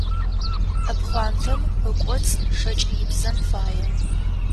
Ӏэпхъуантэм ыкӏоцӏ шэкӏ ибзэн фае.